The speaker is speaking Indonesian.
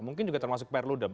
mungkin juga termasuk perlunda